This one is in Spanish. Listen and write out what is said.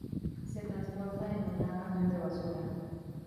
Se transportan en un gran camión de basura.